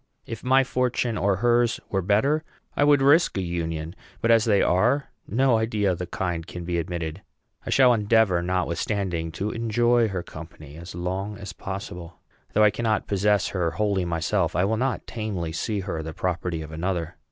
If my fortune or hers were better, I would risk a union; but as they are, no idea of the kind can be admitted. I shall endeavor, notwithstanding, to enjoy her company as long as possible. Though I cannot possess her wholly myself, I will not tamely see her the property of another.